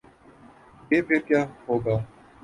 گے، پھر کیا ہو گا؟